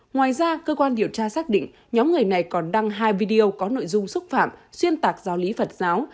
ngoài ra cơ quan điều tra xác định nhóm người này còn đăng hai video có nội dung xúc phạm xuyên tạc giáo lý phật giáo